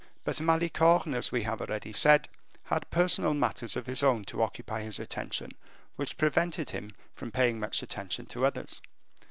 But Malicorne, as we have already said, had personal matters of his own to occupy his attention which prevented him from paying much attention to others.